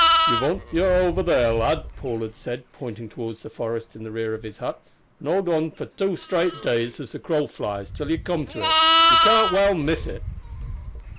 "You've on'y to go over there, lad," Paul had said, pointing towards the forest in rear of his hut, "and hold on for two days straight as the crow flies till you come to it. You can't well miss it."